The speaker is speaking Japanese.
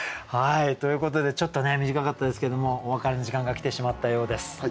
ということでちょっと短かったですけどもお別れの時間が来てしまったようです。